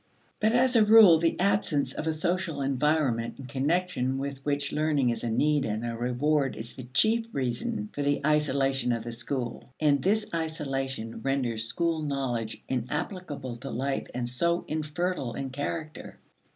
But as a rule, the absence of a social environment in connection with which learning is a need and a reward is the chief reason for the isolation of the school; and this isolation renders school knowledge inapplicable to life and so infertile in character.